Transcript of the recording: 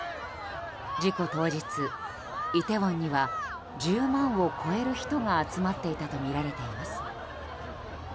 事故当日、イテウォンには１０万を超える人が集まっていたとみられています。